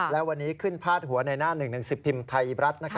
และวันนี้ขึ้นพาดหัวในหน้า๑๑๐พิมพ์ไทยรัฐ